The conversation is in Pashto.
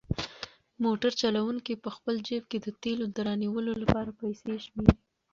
موټر چلونکی په خپل جېب کې د تېلو د رانیولو لپاره پیسې شمېري.